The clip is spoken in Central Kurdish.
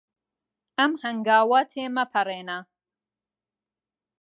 ئەم هەنگاوە تێمەپەڕێنە.